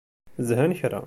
Zhan kra.